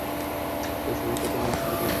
বেশ, আমি কথা বলি সংখ্যা দিয়ে!